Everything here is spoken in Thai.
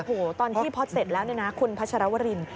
โอ้โหตอนที่พอเสร็จแล้วเนี่ยนะคุณพัชรวริน